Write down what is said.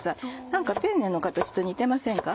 何かペンネの形と似てませんか？